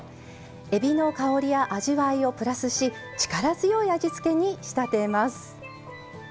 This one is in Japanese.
えびの香りや味わいをプラスし力強い味付けに仕立てます。